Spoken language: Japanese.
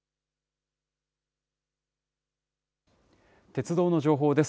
鉄道の情報です。